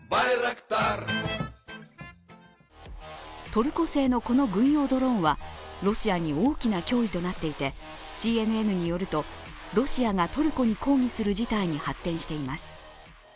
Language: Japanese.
トルコ製のこの軍用ドローンはロシアに大きな脅威となっていてＣＮＮによると、ロシアがトルコに抗議する事態に発展しています。